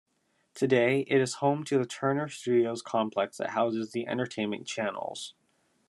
Today, it is home to the Turner Studios complex that houses the entertainment channels.